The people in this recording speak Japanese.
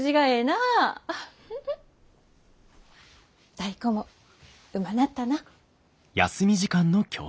タイ子もうまなったな。